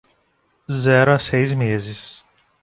Zero a seis meses